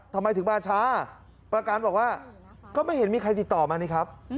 ทำไมถึงมาช้าประกันบอกว่าก็ไม่เห็นมีใครติดต่อมานี่ครับ